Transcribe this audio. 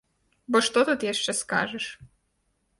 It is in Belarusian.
Бо што тут яшчэ скажаш?